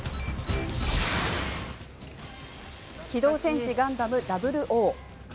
「機動戦士ガンダム００」。